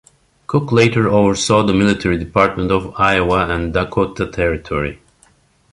Cook later oversaw the military Department of Iowa and Dakota Territory.